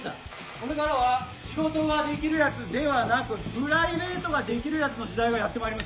これからは仕事ができるヤツではなくプライベートができるヤツの時代がやってまいります。